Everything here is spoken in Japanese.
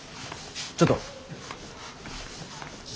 ちょっと。